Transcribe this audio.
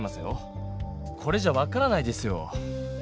これじゃ分からないですよ。